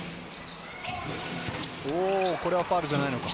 これはファウルじゃないのか。